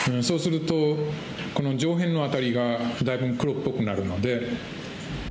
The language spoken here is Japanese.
そうするとこの上辺のあたりがだいぶん黒っぽくなるので。